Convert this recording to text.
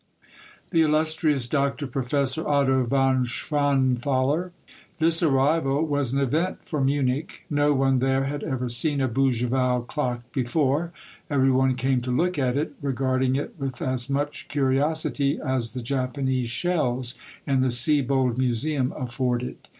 THE ILLUSTRIOUS DOCTOR PROFESSOR OTTO VON SCHWANTHALER. This arrival was an event for Munich. No one there had ever seen a Bougival clock before ; every one came to look at it, regarding it with as much curiosity as the Japanese shells in the Siebold museum afforded.